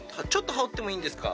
羽織ってもいいですか？